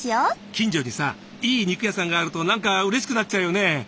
近所にさいい肉屋さんがあるとなんかうれしくなっちゃうよね。